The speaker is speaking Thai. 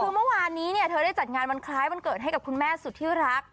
คือเมื่อวานนี้เนี่ยเธอได้จัดงานวันคล้ายวันเกิดให้กับคุณแม่สุดที่รัก